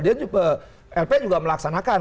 dia juga lp juga melaksanakan